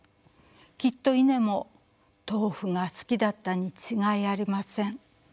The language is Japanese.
きっとイネも豆腐が好きだったに違いありません。